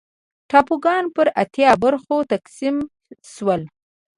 ټاپوګان پر اتیا برخو تقسیم شول.